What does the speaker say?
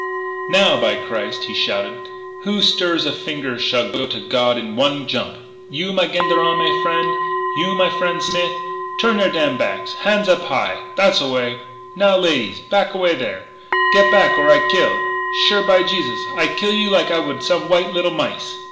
"Now, by Christ!" he shouted, "who stirs a finger shall go to God in one jump! You, my gendarme frien' you, my frien' Smith turn your damn backs han's up high! tha's the way! now, ladies! back away there get back or I kill! sure, by Jesus, I kill you like I would some white little mice!